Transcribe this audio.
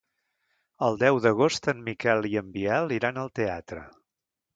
El deu d'agost en Miquel i en Biel iran al teatre.